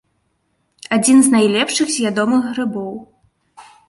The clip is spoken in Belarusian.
Адзін з найлепшых з ядомых грыбоў.